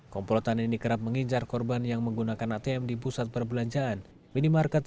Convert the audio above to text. komplotan ini kerap mengincar korban yang menggunakan atm di pusat perbelanjaan minimarket